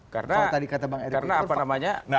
karena nanti dikatakan ada rekaman lagi